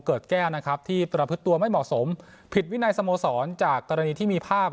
แก้วนะครับที่ประพฤติตัวไม่เหมาะสมผิดวินัยสโมสรจากกรณีที่มีภาพ